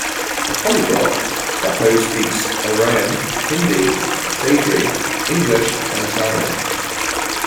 A polyglot, Toppo speaks Oraon, Hindi, Sadri, English and Italian.